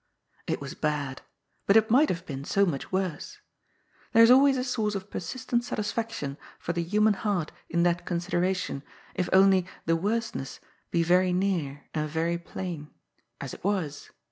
It was bad, but it might have been so much worse. There is always a source of persistent satis faction for the human heart in that consideration, if only the " worseness," be very near and very plain. As it was.